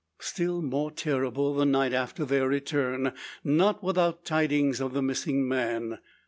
Still more terrible the night after their return not without tidings of the missing man.